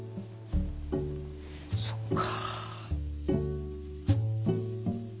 そっか。